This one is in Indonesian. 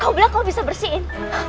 oh bilang kamu bisa bersihin